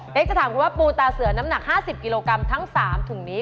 เป็นจะถามคุณว่าปูตาเสือน้ำหนัก๕๐กิโลกรัมทั้ง๓ถุงนี้